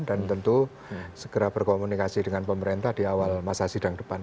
dan tentu segera berkomunikasi dengan pemerintah di awal masa sidang depan